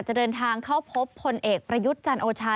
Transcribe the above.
จะเดินทางเข้าพบพลเอกประยุทธ์จันโอชา